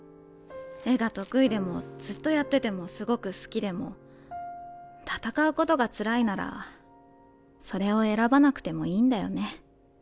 絵が得意でもずっとやっててもすごく好きでも戦うことがつらいならそれを選ばなくてもいいんだよね。